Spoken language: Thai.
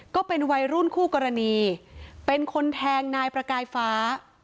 ก็เป็นวัยรุ่นคู่กรณีเป็นคนแทงนายประกายฟ้า